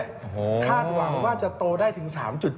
คาดหวังว่าจะโตได้ถึง๓๗